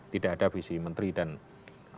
tidak ada visi menteri dan